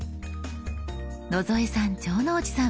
野添さん城之内さん